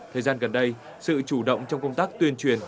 thời gian gần đây sự chủ động trong công tác tuyên truyền